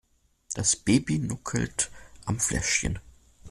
Das Baby nuckelt am Fläschchen.